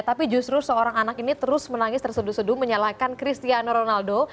tapi justru seorang anak ini terus menangis terseduh seduh menyalahkan cristiano ronaldo